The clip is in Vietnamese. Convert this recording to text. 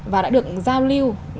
và đã được giao lưu